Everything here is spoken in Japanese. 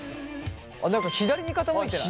何か左に傾いてない？